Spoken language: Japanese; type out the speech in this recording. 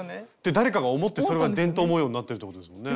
誰かが思ってそれは伝統模様になってるってことですよね？